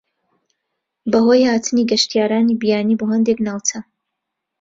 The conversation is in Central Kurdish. بەهۆی هاتنی گەشتیارانی بیانی بۆ هەندێک ناوچە